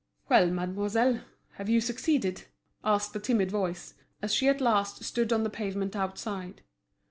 "Well, mademoiselle, have you succeeded?" asked a timid voice, as she at last stood on the pavement outside.